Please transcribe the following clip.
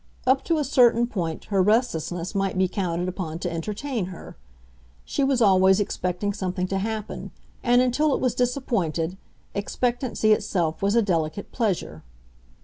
Up to a certain point her restlessness might be counted upon to entertain her. She was always expecting something to happen, and, until it was disappointed, expectancy itself was a delicate pleasure.